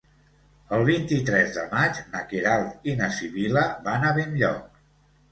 El vint-i-tres de maig na Queralt i na Sibil·la van a Benlloc.